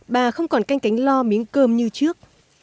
bà không còn canh cánh lo miếng cơm như trước